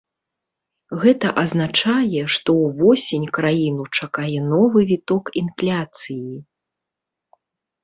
Гэта азначае, што ўвосень краіну чакае новы віток інфляцыі.